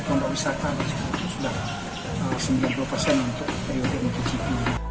pondok wisata sudah sembilan puluh persen untuk periode motogp